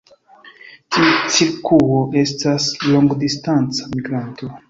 Tiu cirkuo estas longdistanca migranto.